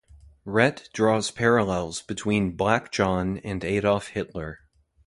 Rhett draws parallels between "Black John" and Adolf Hitler.